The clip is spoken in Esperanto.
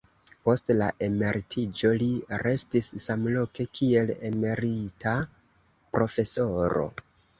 Post la emeritiĝo li restis samloke kiel emerita profesoro.